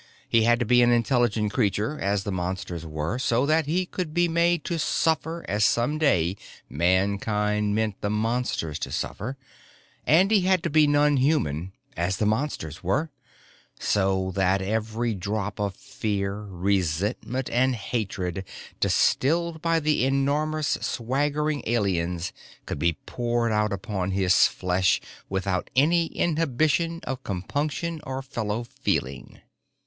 He had to be an intelligent creature, as the Monsters were, so that he could be made to suffer as some day Mankind meant the Monsters to suffer; and he had to be non human, as the Monsters were, so that every drop of fear, resentment and hatred distilled by the enormous swaggering aliens could be poured out upon his flesh without any inhibition of compunction or fellow feeling.